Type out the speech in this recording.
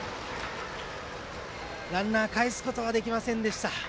ランナーかえすことはできませんでした。